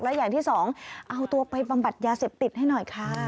และอย่างที่สองเอาตัวไปบำบัดยาเสพติดให้หน่อยค่ะ